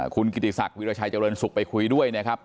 คุณกิติศักดิราชัยเจริญสุขไปคุยด้วยนะครับ